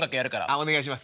お願いします。